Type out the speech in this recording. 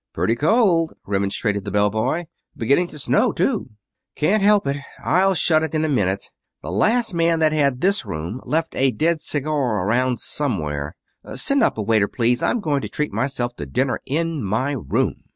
"Pretty cold," remonstrated the bell boy. "Beginning to snow, too." "Can't help it. I'll shut it in a minute. The last man that had this room left a dead cigar around somewhere. Send up a waiter, please. I'm going to treat myself to dinner in my room."